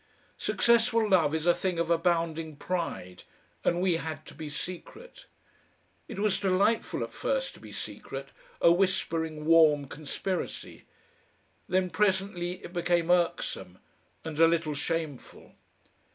Successful love is a thing of abounding pride, and we had to be secret. It was delightful at first to be secret, a whispering, warm conspiracy; then presently it became irksome and a little shameful.